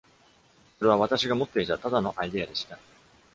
それは私が持っていたただのアイデアでした。